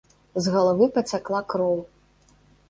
З галавы пацякла кроў.